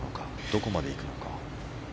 どこまで行くのか。